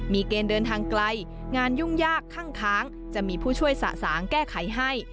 มีเกณฑ์เดินทางไกลงานยุ่งยากคั่งค้างจะมีผู้ช่วยสะสางแก้ไขให้